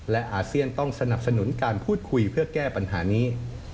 และอาเซียนต้องสนับสนุนการพูดคุยเพื่อแก้ปัญหานี้